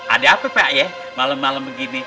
ada apa pak ya malam malam begini